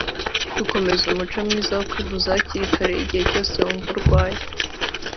Gukomeza umuco mwiza wo kwivuza hakiri kare igihe cyose wumva urwaye